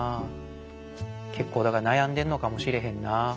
けっこうだからなやんでんのかもしれへんな。